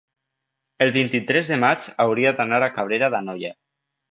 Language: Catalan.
el vint-i-tres de maig hauria d'anar a Cabrera d'Anoia.